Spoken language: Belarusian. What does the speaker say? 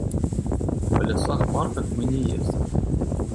Па лясах-парках мы не ездзім.